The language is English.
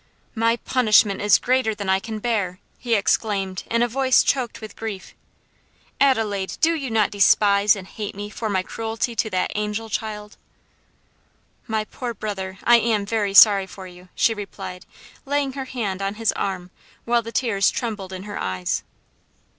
"My punishment is greater than I can bear!" he exclaimed in a voice choked with grief. "Adelaide, do you not despise and hate me for my cruelty to that angel child?" "My poor brother, I am very sorry for you," she replied, laying her hand on his arm, while the tears trembled in her eyes.